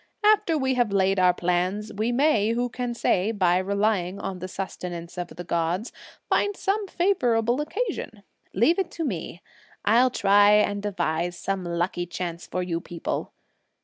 After we have laid our plans, we may, who can say, by relying on the sustenance of the gods, find some favourable occasion. Leave it to me, I'll try and devise some lucky chance for you people!